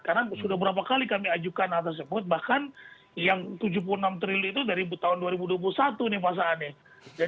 karena sudah berapa kali kami ajukan hal tersebut bahkan yang tujuh puluh enam triliun itu dari tahun dua ribu dua puluh satu nih pak saan ya